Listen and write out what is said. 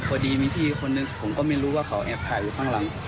พอดีมีพี่อีกคนนึงผมก็ไม่รู้ว่าเขาแอบถ่ายอยู่ข้างหลัง